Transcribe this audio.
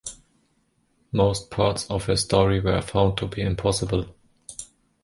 Most parts of his story were found to be impossible.